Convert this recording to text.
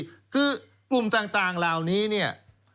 ก็คือกลุ่มต่างราวนี้เนี่ย